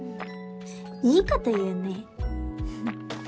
いいこと言うねフフっ。